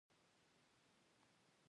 د ملي تحول لپاره اراده نه لري.